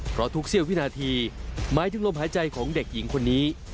เพราะทุกเสี้ยววินาทีหมายถึงลมหายใจของเด็กหญิงคนนี้